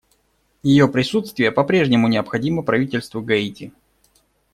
Ее присутствие по-прежнему необходимо правительству Гаити.